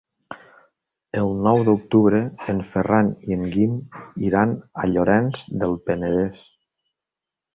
El nou d'octubre en Ferran i en Guim iran a Llorenç del Penedès.